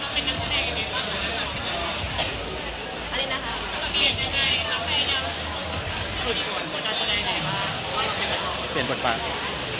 การเป็นนักแสดงอย่างไรเชื่อว่าเป็นดังแสดงหรือไม่